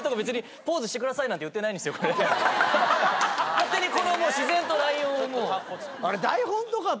勝手に自然とライオンをもう。